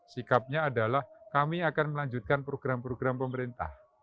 sikapnya adalah kami akan melanjutkan program program pemerintah